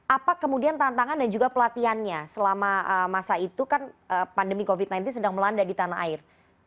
apa kemudian tantangan dan juga pelatihannya selama masa itu kan pandemi covid sembilan belas sedang melanda di tanah air